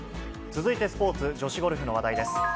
続いてスポーツ、女子ゴルフの話題です。